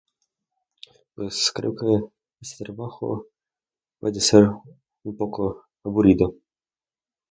pues creo que este trabajo puede ser un poco aburrido